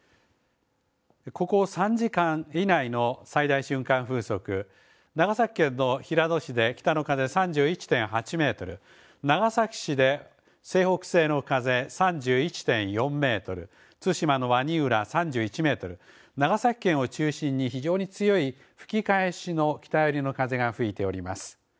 ここ３時間以内の最大瞬間風速、長崎県の平戸市で北の風３１．８メートル、長崎市で西北西の風３１．４メートル、津島の鰐浦３１メートル、長崎県を中心に非常に強い吹き返しの北寄りの風が吹いております。